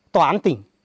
tòa án tỉnh